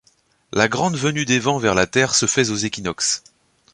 La grande venue des vents vers la terre se fait aux équinoxes.